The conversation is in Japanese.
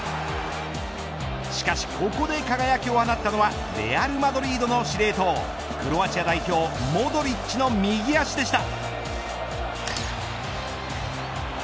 しかし、ここで輝きを放ったのはレアルマドリードの司令塔クロアチア代表モドリッチの右足でした。